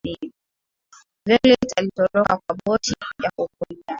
violett alitoroka kwa boti ya kuokolea